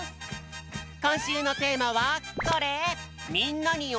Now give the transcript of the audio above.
こんしゅうのテーマはこれ！